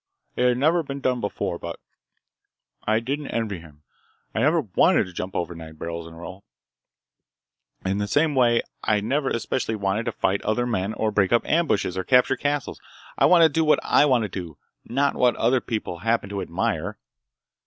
It had never been done before. But I didn't envy him. I never wanted to jump over nine barrels in a row! In the same way, I never especially wanted to fight other men or break up ambushes or capture castles. I want to do what I want to do, not what other people happen to admire."